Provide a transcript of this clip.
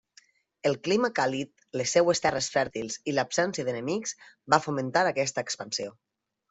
El clima càlid, les seues terres fèrtils i l'absència d'enemics van fomentar aquesta expansió.